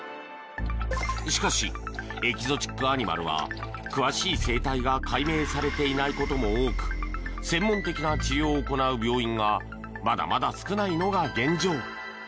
しかしエキゾチックアニマルは詳しい生態が解明されていないことも多く専門的な治療を行う病院がまだまだ少ないのが現状。